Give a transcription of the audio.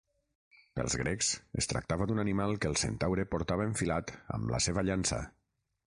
Pels grecs, es tractava d'un animal que el Centaure portava enfilat amb la seva llança.